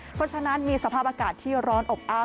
เพราะฉะนั้นมีสภาพอากาศที่ร้อนอบอ้าว